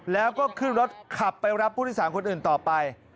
แล้วก็ขึ้นรถขับไปรับผู้โดยสารคนอื่นต่อไป